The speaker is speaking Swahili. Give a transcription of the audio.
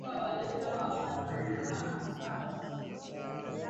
Baba yangu anapenda kucheza mpira wakati wote